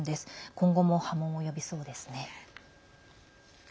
今後も波紋を呼びそうですね。